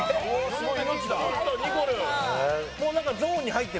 すごい！